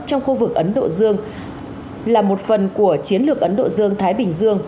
trong khu vực ấn độ dương là một phần của chiến lược ấn độ dương thái bình dương